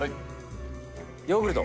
ヨーグルト。